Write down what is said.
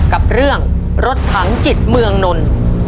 กับเรื่องรถถังจิตเมืองนนท์